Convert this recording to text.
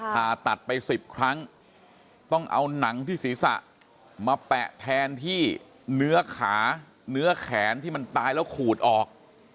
ผ่าตัดไป๑๐ครั้งต้องเอาหนังที่ศีรษะมาแปะแทนที่เนื้อขาเนื้อแขนที่มันตายแล้วขูดออก